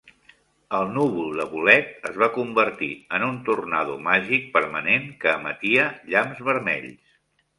El núvol de bolet es va convertir en un tornado màgic permanent que emetia llamps vermells.